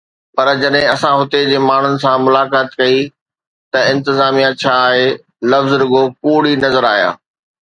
پر جڏهن اسان هتي جي ماڻهن سان ملاقات ڪئي ته انتظاميه جا اهي لفظ رڳو ڪوڙ ئي نظر آيا.